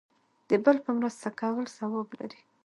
د بل مرسته کول ثواب لري